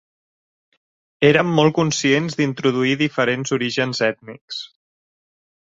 Érem molt conscients d'introduir diferents orígens ètnics.